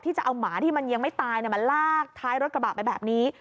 จะเอาหมาที่มันยังไม่ตายมาลากท้ายรถกระบะไปแบบนี้